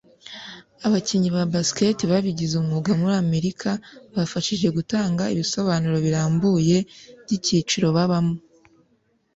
Abakinnyi ba basketball babigize umwuga muri Amerika bafashije gutanga ibisobanuro birambuye byicyiciro babamo